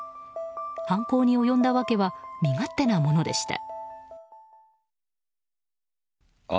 犯行に及んだ訳は身勝手なものでした。